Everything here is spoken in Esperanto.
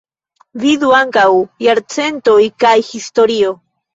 Vidu ankaŭ: Jarcentoj kaj Historio.